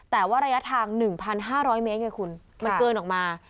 แต่ว่าระยะทาง๑๕๐๐เมตรไงคุณมันเกินออกมา